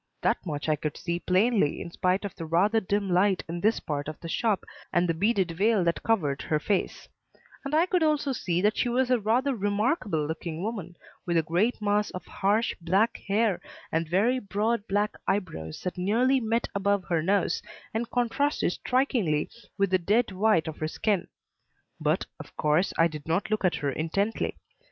That much I could see plainly in spite of the rather dim light in this part of the shop and the beaded veil that covered her face; and I could also see that she was a rather remarkable looking woman, with a great mass of harsh, black hair and very broad black eyebrows that nearly met above her nose and contrasted strikingly with the dead white of her skin. But, of course, I did not look at her intently.